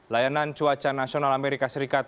layanan cuaca nasional amerika serikat